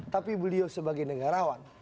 tapi beliau sebagai negarawan